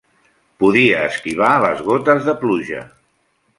Podia esquivar les gotes de pluja.